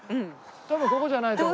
多分ここじゃないと思う。